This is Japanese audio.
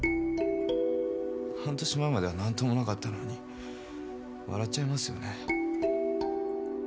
半年前までは何ともなかったのに笑っちゃいますよね。